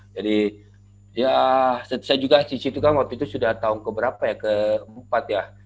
jadi ya saya juga di situ kan waktu itu sudah tahun keberapa ya keempat ya